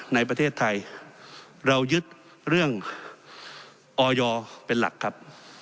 ในประเทศไทยเรายึดเรื่องออยเป็นหลักครับ